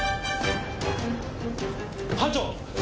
班長！